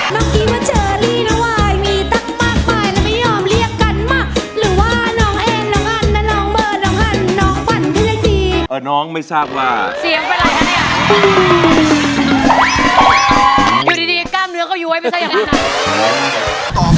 ตอบแผนความรักจากคุณผู้ชม